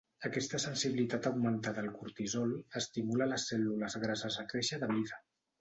Aquesta sensibilitat augmentada al cortisol estimula a les cèl·lules grasses a créixer de mida.